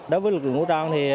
đối với lực lượng ngũ trang